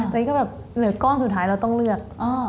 ตอนนี้ก็แบบเหลือก้อนสุดท้ายเราต้องเลือก